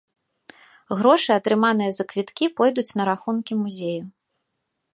Грошы, атрыманыя за квіткі, пойдуць на рахункі музею.